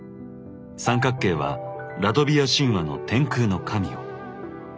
三角形はラトビア神話の「天空の神」を。